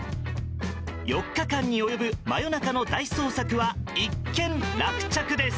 ４日間に及ぶ真夜中の大捜索は一件落着です。